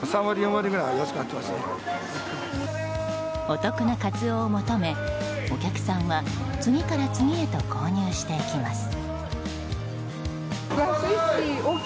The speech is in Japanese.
お得なカツオを求めお客さんは次から次へと購入していきます。